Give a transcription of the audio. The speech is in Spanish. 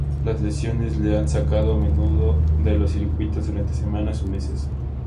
Las lesiones le han sacado a menudo de los circuitos durante semanas o meses.